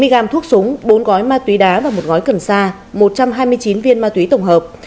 một trăm chín mươi gram thuốc súng bốn gói ma túy đá và một gói cần sa một trăm hai mươi chín viên ma túy tổng hợp